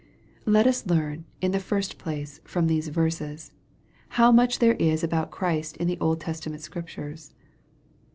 Let us learn, in the first place, from these verses, how much there is about Christ in the Old Testament Scriptures.